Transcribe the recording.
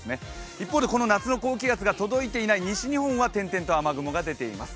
一方でこの夏の高気圧が届いていない西日本は雲が点々と出ています。